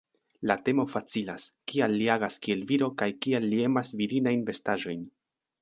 La temo facilas: kial li agas kiel viro kaj kial li emas virinajn vestaĵojn?